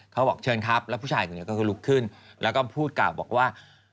เขาบอกเชิญครับแล้วผู้ชายคนนี้ก็คือลุกขึ้นแล้วก็พูดกล่าวบอกว่า